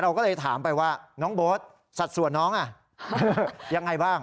ก็เลยถามไปว่าน้องโบ๊ทสัดส่วนน้องยังไงบ้าง